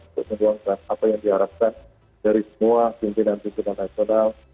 untuk membuangkan apa yang diharapkan dari semua pimpinan pimpinan nasional